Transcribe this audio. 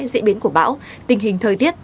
dễ biến của bão tình hình thời tiết